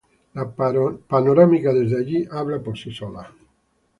La panorámica desde allí habla por sí sola.